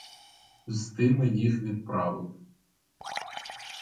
З тими їх відправив.